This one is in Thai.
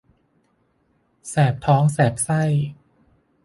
แสบท้องแสบไส้